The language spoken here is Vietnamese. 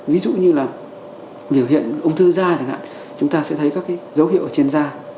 ví dụ như là biểu hiện ung thư da chẳng hạn chúng ta sẽ thấy các dấu hiệu ở trên da